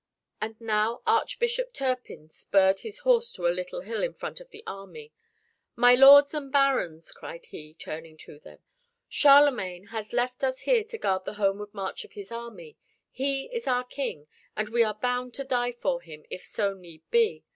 And now Archbishop Turpin spurred his horse to a little hill in front of the army. "My lords and barons," he cried, turning to them, "Charlemagne hath left us here to guard the homeward march of his army. He is our King, and we are bound to die for him, if so need be.